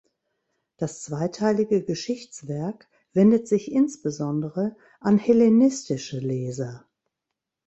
Das zweiteilige Geschichtswerk wendet sich insbesondere an hellenistische Leser.